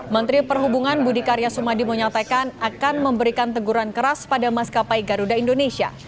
menteri perhubungan budi karya sumadi menyatakan akan memberikan teguran keras pada maskapai garuda indonesia